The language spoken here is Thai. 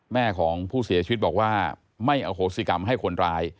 แม่ของผู้เสียชีวิตบอกว่าไม่อโหสิกรรมให้คนร้าย